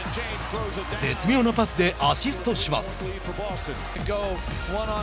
絶妙なパスでアシストします。